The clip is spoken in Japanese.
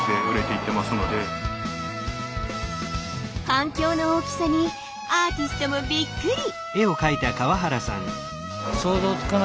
反響の大きさにアーティストもびっくり！